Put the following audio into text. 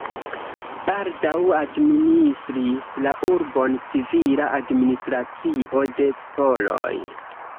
Baldaŭ administris la urbon civila administracio de poloj.